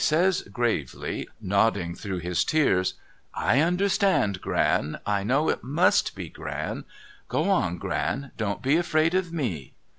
says gravely nodding through his tears, ' I understand Gran — I know it must be, Gran, — go on Gran, don't be afraid of me.